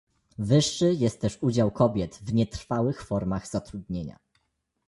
Wyższy jest też udział kobiet w nietrwałych formach zatrudnienia